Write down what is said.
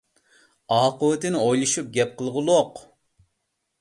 ئاقىۋىتىنى ئويلىشىپ گەپ قىلغۇلۇق!